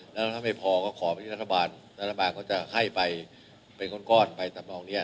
แล้วถ้าไม่พอก็ขอไปที่รัฐบาลรัฐบาลก็จะให้ไปเป็นก้อนไปทำนองนี้